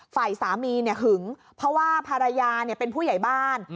ฝ่ายสามีหึงเพราะว่าภรรยาเป็นผู้ใหญ่บ้าน